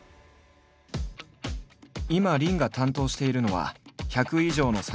今林が担当しているのは１００以上の作品が読める